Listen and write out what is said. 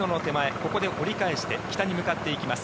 ここで折り返して北に向かっていきます。